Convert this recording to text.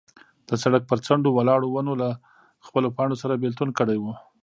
د سړک پر څنډو ولاړو ونو له خپلو پاڼو سره بېلتون کړی و.